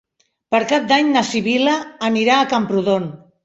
Per Cap d'Any na Sibil·la anirà a Camprodon.